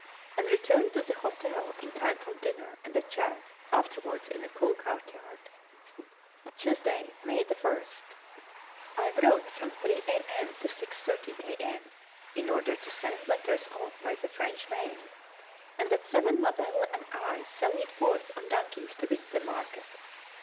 and returned to the hotel in time for dinner and a chat afterwards in the cool courtyard. Tuesday, May 1st. I wrote from 3 a.m. to 6.30 a.m., in order to send letters off by the French mail, and at seven Mabelle and I sallied forth on donkeys to visit the market.